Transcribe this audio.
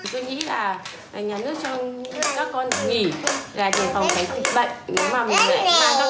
tôi nghĩ là nhà nước cho các con nghỉ là điều phòng cái bệnh